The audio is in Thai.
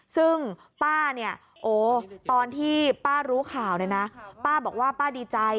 ซึ่งตอนที่ป้ารู้ข่าวป้าบอกว่าป้าดีใจ